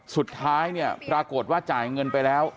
สุดท้ายเนี่ยปรากฏว่าจ่ายเงินไปแล้ว